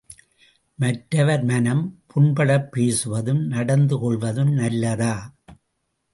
மற்றவர் மனம் புண்படப்பேசுவதும் நடந்து கொள்வதும் நல்லதா?